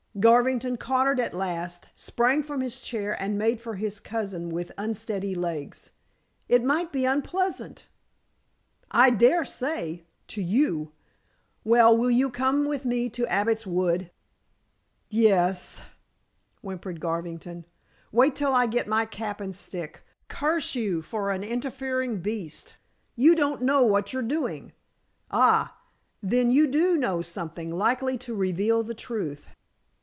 Garvington, cornered at last, sprang from his chair and made for his cousin with unsteady legs. "It might be unpleasant." "I daresay to you. Well, will you come with me to Abbot's Wood?" "Yes," whimpered Garvington. "Wait till I get my cap and stick, curse you, for an interfering beast. You don't know what you're doing." "Ah! then you do know something likely to reveal the truth."